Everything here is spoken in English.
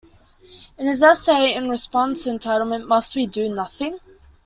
In his essay in response, entitled Must We Do Nothing?